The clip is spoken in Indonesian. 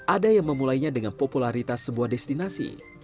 ada yang memulainya dengan popularitas sebuah destinasi